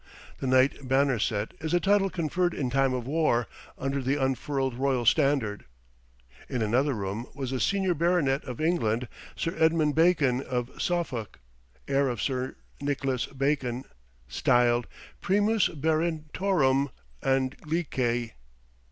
The Knight Banneret is a title conferred in time of war, under the unfurled royal standard. In another room was the senior baronet of England, Sir Edmund Bacon of Suffolk, heir of Sir Nicholas Bacon, styled, Primus baronetorum Anglicæ.